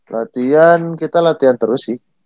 latihan kita latihan terus sih